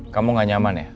kamu gak nyaman ya